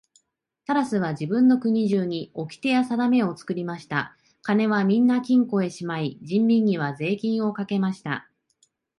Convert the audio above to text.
タラスは自分の国中におきてやさだめを作りました。金はみんな金庫へしまい、人民には税金をかけました。